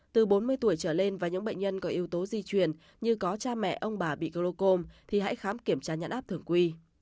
từ bốn mươi tuổi trở lên và những bệnh nhân có yếu tố di truyền như có cha mẹ ông bà bị glocom thì hãy khám kiểm tra nhãn áp thường quy